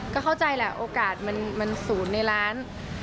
ก็เข้าใจแหละโอกาศมันสูญในร้าน